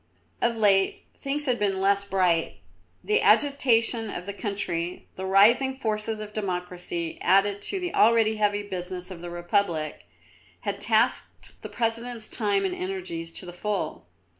Of late things had been less bright. The agitation of the country, the rising forces of Democracy, added to the already heavy business of the Republic, had taxed the President's time and energies to the full.